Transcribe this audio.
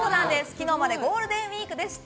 昨日までゴールデンウィークでした。